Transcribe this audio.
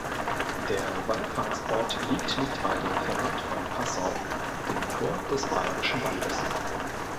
Der Wallfahrtsort liegt nicht weit entfernt von Passau, dem Tor des Bayerischen Waldes.